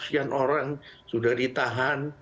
sekian orang sudah ditahan